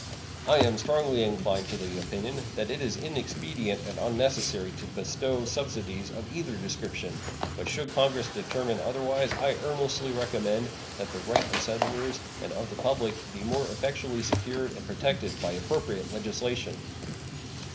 I am strongly inclined to the opinion that it is inexpedient and unnecessary to bestow subsidies of either description; but should Congress determine otherwise I earnestly recommend that the right of settlers and of the public be more effectually secured and protected by appropriate legislation.